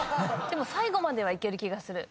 でも最後まではいける気がする。